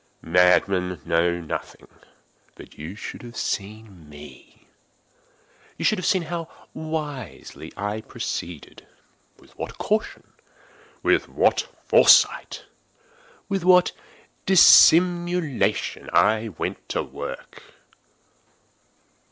Madmen know nothing. But you should have seen me. You should have seen how wisely I proceeded—with what caution—with what foresight—with what dissimulation I went to work!